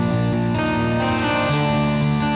jangan lupa like